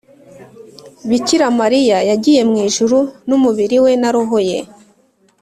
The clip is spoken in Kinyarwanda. bikira mariya yagiye mu ijuru n’umubiri we na roho ye